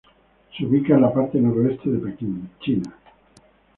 Se ubica en la parte noreste de Pekín, China.